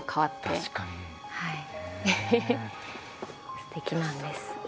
すてきなんです。